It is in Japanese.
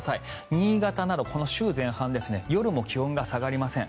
新潟など、この週前半夜も気温が下がりません。